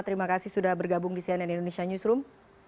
terima kasih sudah bergabung di cnn indonesia newsroom